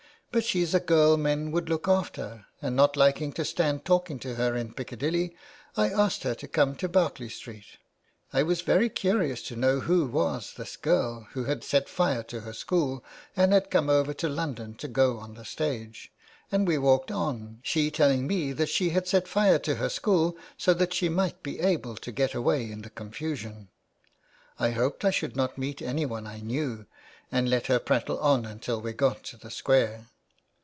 But she's a girl men would look after, and not liking to stand talking to her in Piccadilly, I asked her to come down Berkeley Street. I was very curious to know who was this girl who had set fire to her school and had come over to London to go on the stage ; and we walked on, she telling me that she had set fire to her school so that she might be able to get away in the confusion, I hoped I should not meet anyone I knew, and let her prattle on until we got to the Square.